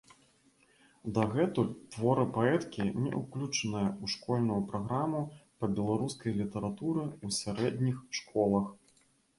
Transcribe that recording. Дагэтуль творы паэткі не ўключаныя ў школьную праграму па беларускай літаратуры ў сярэдніх школах.